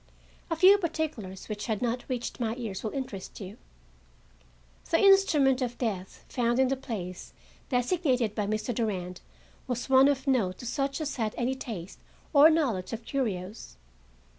A few particulars which had not reached my ears will interest you. The instrument of death found in the place designated by Mr. Durand was one of note to such as had any taste or knowledge of curios.